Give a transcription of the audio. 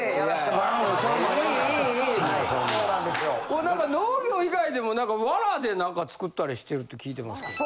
これ何か農業以外でもワラで何か作ったりしてるって聞いてますけど。